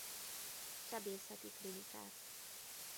Sebészeti Klinikát.